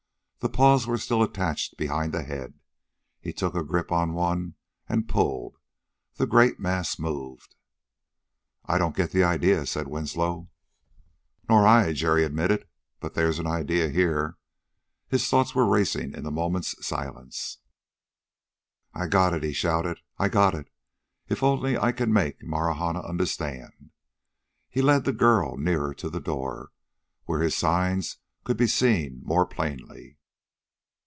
The paws were still attached behind the head. He took a grip on one and pulled. The great mass moved. "I don't get the idea," said Winslow. "Nor I," Jerry admitted, "but there's an idea here." His thoughts were racing in the moment's silence. "I've got it," he shouted. "I've got it! If only I can make Marahna understand!" He led the girl nearer to the door, where his signs could be seen more plainly.